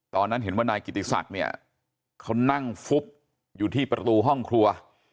ตอนนั้นเห็นว่านายกิติศักดิ์เนี่ยเขานั่งฟุบอยู่ที่ประตูห้องครัว